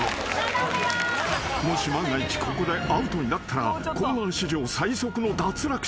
［もし万が一ここでアウトになったらコーナー史上最速の脱落者］